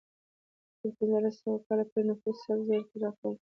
تر پنځلس سوه کال پورې نفوس سل زرو ته راکم شو.